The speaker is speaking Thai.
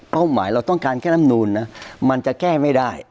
หมายเราต้องการแก้ลำนูนนะมันจะแก้ไม่ได้